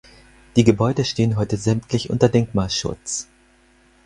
Die Gebäude stehen heute sämtlich unter Denkmalschutz.